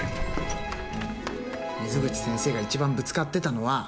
水口先生が一番ぶつかってたのは。